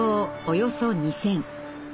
およそ２，０００。